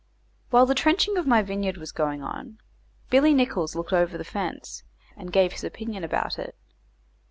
While the trenching of my vineyard was going on, Billy Nicholls looked over the fence, and gave his opinion about it.